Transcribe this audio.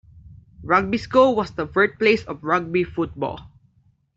Rugby School was the birthplace of Rugby football.